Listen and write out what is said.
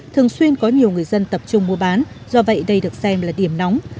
thường xuyên có nhiều người dân tập trung mua bán do vậy đây được xem là điểm nóng